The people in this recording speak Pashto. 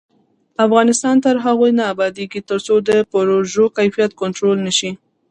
افغانستان تر هغو نه ابادیږي، ترڅو د پروژو کیفیت کنټرول نشي.